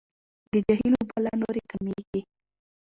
د جهیل اوبه لا نورې کمیږي.